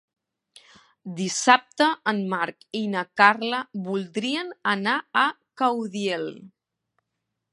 Dissabte en Marc i na Carla voldrien anar a Caudiel.